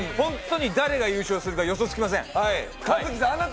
誰が優勝するか予想つきません。